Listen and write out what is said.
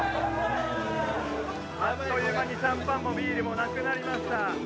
あっという間にシャンパンもビールもなくなりました。